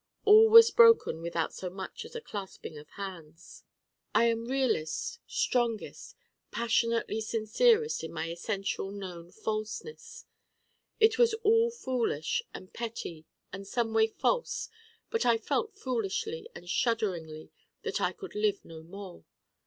All was broken without so much as clasp of hands. I am realest, strongest, passionately sincerest in my essential known falseness It was all foolish and petty and someway false but I felt foolishly and shudderingly that I could live no more.